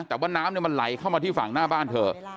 แต่ว่าน้ำมันไหลเข้ามาที่ฝั่งหน้าบ้านเธอ